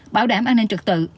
bảo đảm an ninh trật tự